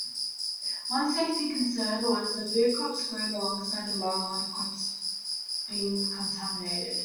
One safety concern was the food crops grown alongside the marijuana crops being contaminated.